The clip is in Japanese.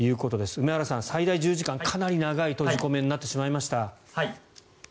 梅原さん、最大１０時間かなり長い閉じ込めになってしまいました。